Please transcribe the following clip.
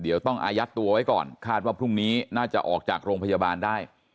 เดี๋ยวต้องอายัดตัวไว้ก่อนคาดว่าพรุ่งนี้น่าจะออกจากโรงพยาบาลได้